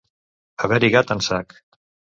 Haver-hi gat en sac.